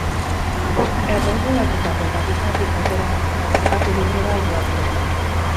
Erregulatutako tarifatik atera eta merkatu librera joatea.